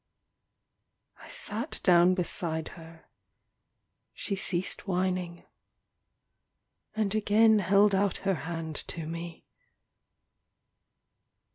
I sat down beside her ; she ceased whining, and again held out her hand to me.